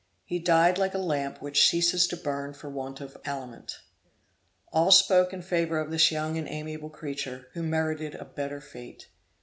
He died like a lamp which ceases to burn for want of aliment. All spoke in favor of this young and amiable creature, who merited a better fate.